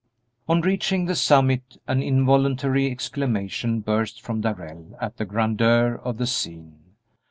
On reaching the summit an involuntary exclamation burst from Darrell at the grandeur of the scene.